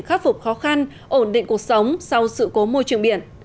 khắc phục khó khăn ổn định cuộc sống sau sự cố môi trường biển